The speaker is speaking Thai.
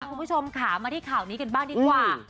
คุณผู้ชมค่ะมาที่ข่าวนี้กันบ้างดีกว่า